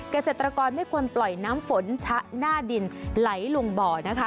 เกษตรกรไม่ควรปล่อยน้ำฝนชะหน้าดินไหลลงบ่อนะคะ